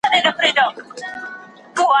څنګه فشار بدل سي؟